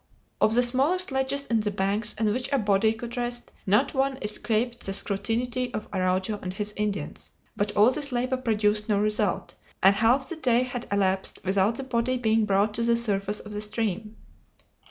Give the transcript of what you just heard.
Of the smallest ledges in the banks in which a body could rest, not one escaped the scrutiny of Araujo and his Indians. But all this labor produced no result, and half the day had elapsed without the body being brought to the surface of the stream.